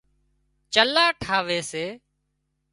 چلها ٺاوي سي